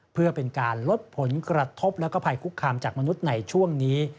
เพื่อเป็นการลดผลกระทบและภัยคุกคามจากมนุษย์ในช่วงนี้